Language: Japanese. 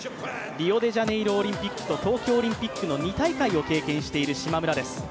リオデジャネイロオリンピックと東京オリンピックの２大会を経験している島村です。